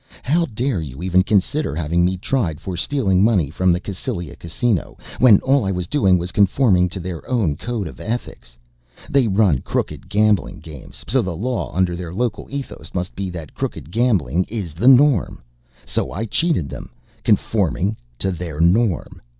How dare you even consider having me tried for stealing money from the Cassylia casino when all I was doing was conforming to their own code of ethics! They run crooked gambling games, so the law under their local ethos must be that crooked gambling is the norm. So I cheated them, conforming to their norm.